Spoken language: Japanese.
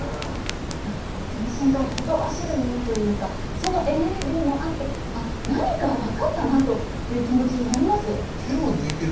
何か全身からほとばしるものというかそのエネルギーもあって「あっ何か分かったな」という気持ちになります。